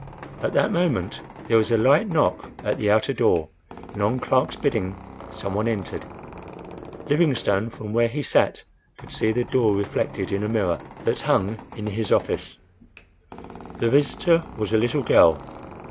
At that moment there was a light knock at the outer door, and, on Clark's bidding, some one entered. Livingstone, from where he sat, could see the door reflected in a mirror that hung in his office. The visitor was a little girl.